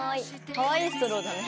かわいいストローだね。